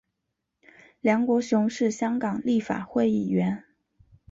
梁国雄是香港立法会议员。